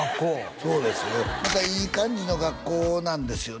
そうですねまたいい感じの学校なんですよね